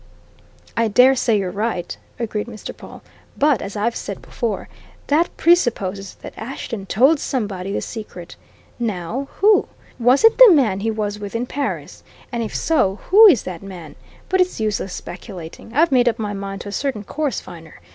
"I dare say you're right," agreed Mr. Pawle. "But, as I've said before, that presupposes that Ashton told somebody the secret. Now who? Was it the man he was with in Paris? And if so, who is that man? But it's useless speculating. I've made up my mind to a certain course, Viner.